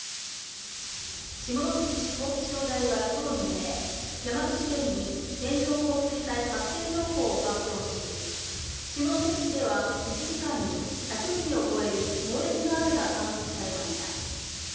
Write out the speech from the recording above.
下関地方気象台は今日未明、山口県に線状降水帯発生情報を発表し、下関市では１時間に１００ミリを超える猛烈な雨が観測されました。